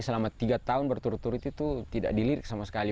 selama tiga tahun berturut turut itu tidak dilirik sama sekali